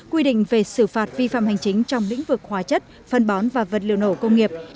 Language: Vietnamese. quy định về xử phạt vi phạm hành chính trong lĩnh vực hóa chất phân bón và vật liệu nổ công nghiệp